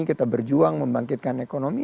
kita berjuang membangkitkan ekonomi